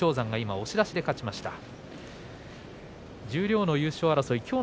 十両の優勝争い